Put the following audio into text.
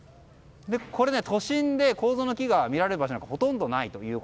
これ都心で楮の木が見られる場所はほとんどなくて。